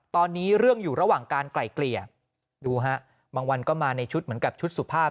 ตอนนี้เรื่องอยู่ระหว่างการไกล่เกลี่ยดูฮะบางวันก็มาในชุดเหมือนกับชุดสุภาพ